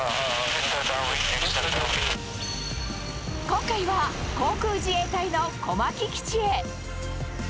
今回は、航空自衛隊の小牧基地へ。